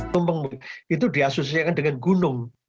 tumpeng itu diasosiasikan dengan gunung